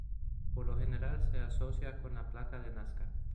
Por lo general, se asocia con la placa de Nazca.